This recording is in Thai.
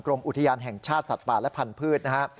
อุทยานแห่งชาติสัตว์ป่าและพันธุ์นะฮะ